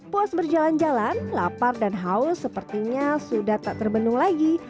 puas berjalan jalan lapar dan haus sepertinya sudah tak terbendung lagi